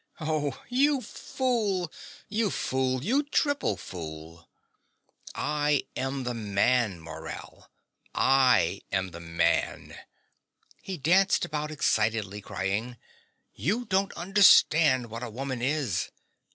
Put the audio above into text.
Oh, you fool, you fool, you triple fool! I am the man, Morell: I am the man. (He dances about excitedly, crying.) You don't understand what a woman is.